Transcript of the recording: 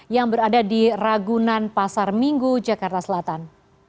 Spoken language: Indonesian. yang berada di ragunan pasar minggu jakarta selatan